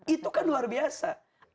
itu kan luar biasa